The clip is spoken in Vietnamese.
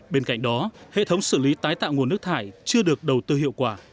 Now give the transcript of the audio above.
bên cạnh đó hệ thống xử lý tái tạo nguồn nước thải chưa được đầu tư hiệu quả